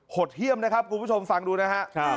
หดเหี้ยมนะครับคุณผู้ชมฟังดูนะครับ